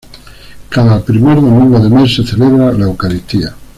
Cada primer domingo de mes se celebra la Eucaristía.